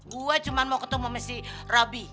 gua cuma mau ketemu si robby